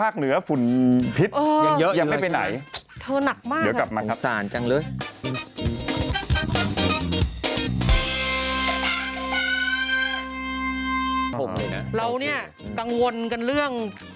ละเหวงอะไรนะละเหวง